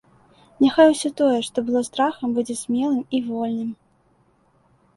Няхай усё тое, што было страхам, будзе смелым і вольным.